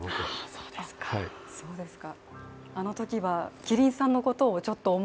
そうですか。